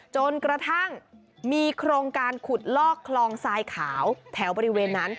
จนกระทั่งมีโครงการขุดลอกคลองทรายขาวแถวบริเวณนั้น